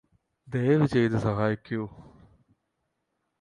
ദയവുചെയ്ത് സഹായിക്കൂ